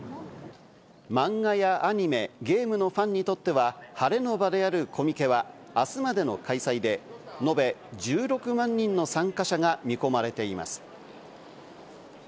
漫画やアニメ、ゲームのファンにとっては、ハレの場であるコミケは、あすまでの開催で、延べ１６万人の参加者が見込まれています。